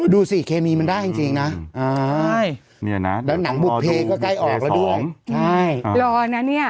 ดูสิเคมีมันได้จริงน่ะน้ังบุภเภก็ใกล้ออกแล้วอยู่ด้วย